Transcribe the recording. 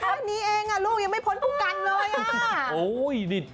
แค่นี้เองลูกยังไม่พ้นผู้กันเลย